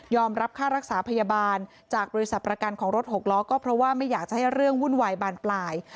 รับค่ารักษาพยาบาลจากบริษัทประกันของรถหกล้อก็เพราะว่าไม่อยากจะให้เรื่องวุ่นวายบานปลาย